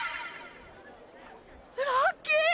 ラッキー！